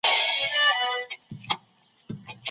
دا ثابته سوې چي په څېړنه کي قاطعیت ډېر مهم دی.